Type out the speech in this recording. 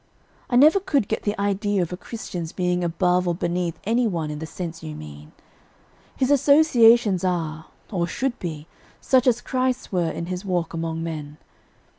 "I never could get the idea of a Christian's being above or beneath any one in the sense you mean. His associations are, or should be, such as Christ's were in His walk among men.